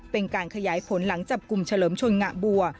เป็นการขยายผลหลังจับกลุ่มเฉลิมชนงะบัว